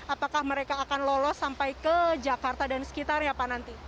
apakah mereka akan lolos sampai ke jakarta dan sekitar ya pak nanti